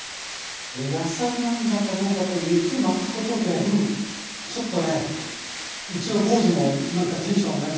野菜なんだけどもやっぱり肉巻くことでちょっとねうちの坊主もなんかテンション上がりそう。